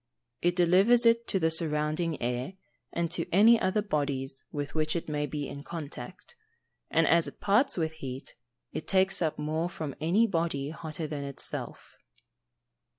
_ It delivers it to the surrounding air, and to any other bodies with which it may be in contact and as it parts with heat, it takes up more from any body hotter than itself.